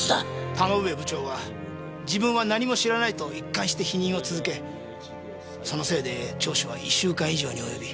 田ノ上部長は自分は何も知らないと一貫して否認を続けそのせいで聴取は１週間以上に及び。